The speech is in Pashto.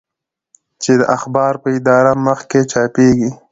چې د اخبار په اداري مخ کې چاپېږي.